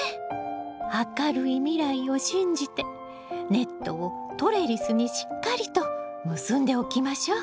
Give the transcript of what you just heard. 明るい未来を信じてネットをトレリスにしっかりと結んでおきましょう。